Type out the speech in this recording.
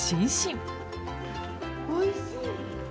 おいしい！